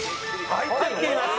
入ってます。